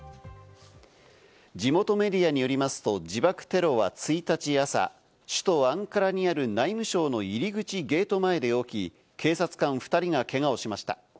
地元メディアによりますと自爆テロは１日朝、首都アンカラにある内務省の入り口ゲート前で起き、警察官２人がけがをしました。